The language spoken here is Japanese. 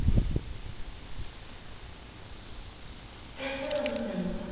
辰五郎さんのこと。